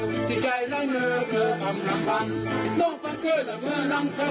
ก็ที่ใจและเมือเผ่อพรรมทางน้องฟังเกอร์และเมือน้ำค้า